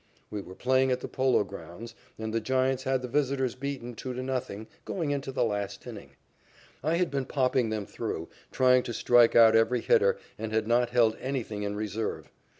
We were playing at the Polo Grounds, and the Giants had the visitors beaten 2 to 0, going into the last inning. I had been popping them through, trying to strike out every hitter and had not held anything in reserve.